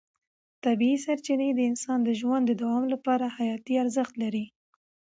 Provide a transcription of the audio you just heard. طبیعي سرچینې د انسان د ژوند د دوام لپاره حیاتي ارزښت لري.